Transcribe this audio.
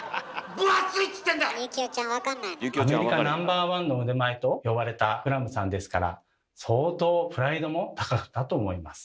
「アメリカナンバーワンの腕前」と呼ばれたクラムさんですから相当プライドも高かったと思います。